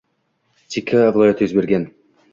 chekka viloyatlarda yuz bergan